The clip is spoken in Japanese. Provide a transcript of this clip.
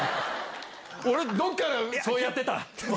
俺、どっからそうやってた？